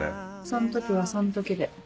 その時はその時で。